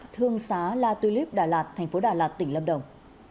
thương xá la tulip đà lạt thành phố đà lạt tỉnh lâm đồng